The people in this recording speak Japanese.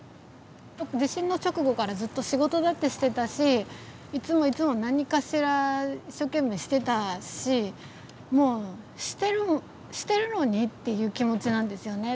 地震の直後からずっと仕事だってしてたしいつもいつも何かしら一生懸命してたしもう「してるのに」っていう気持ちなんですよね。